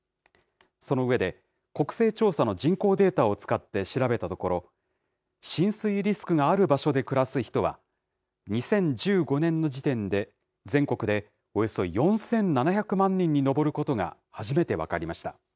その上で、国勢調査の人口データを使って調べたところ、浸水リスクがある場所で暮らす人は、２０１５年の時点で、全国でおよそ４７００万人に上ることが初めて分かりました。